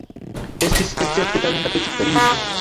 Estis escepte talenta, precipe lingve.